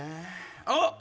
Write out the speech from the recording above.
あっ！